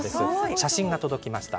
写真が届きました。